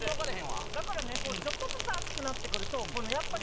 だからね、ちょっとずつ暑くなってくると、やっぱりね。